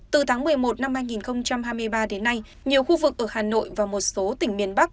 từ tháng một mươi một năm hai nghìn hai mươi ba đến nay nhiều khu vực ở hà nội và một số tỉnh miền bắc